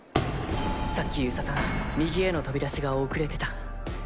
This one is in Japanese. さっき遊佐さん右への飛び出しが遅れてた。